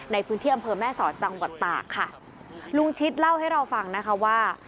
ในพื้นที่อำเภอแม่สอดจังหวัดตากค่ะลุงชิดเล่าให้เราฟังนะคะว่า